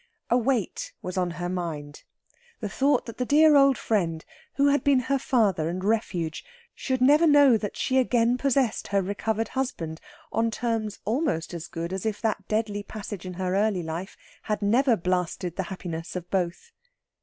A weight was on her mind; the thought that the dear old friend, who had been her father and refuge, should never know that she again possessed her recovered husband on terms almost as good as if that deadly passage in her early life had never blasted the happiness of both.